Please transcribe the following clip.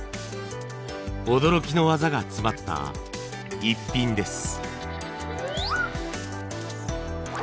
驚きの技が詰まったイッピンです。